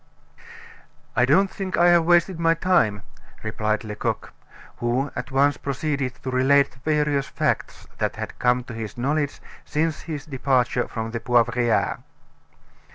"I don't think I have wasted my time," replied Lecoq, who at once proceeded to relate the various facts that had come to his knowledge since his departure from the Poivriere.